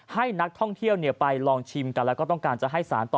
ให้นักท่องเที่ยวไปลองชิมกันแล้วก็ต้องการจะให้สารต่อ